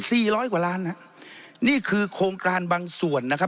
ร้อยกว่าล้านฮะนี่คือโครงการบางส่วนนะครับ